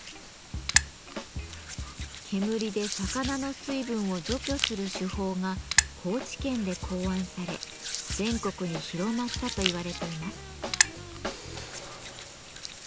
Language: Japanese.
煙で魚の水分を除去する手法が高知県で考案され全国に広まったと言われています。